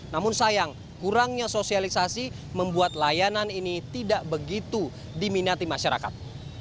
namun sayang kurangnya sosialisasi membuat layanan ini tidak begitu diminati masyarakat